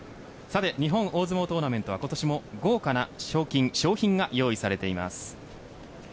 日本大相撲トーナメントは今年も豪華な賞金、商品が用意されています。